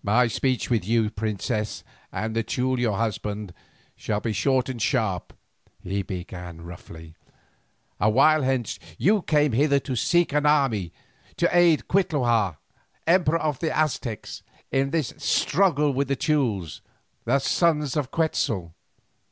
"My speech with you, princess, and the Teule your outlawed husband, shall be short and sharp," he began roughly. "A while hence you came hither to seek an army to aid Cuitlahua, Emperor of the Aztecs, in his struggle with the Teules, the sons of Quetzal.